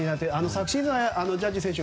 昨シーズンはジャッジ選手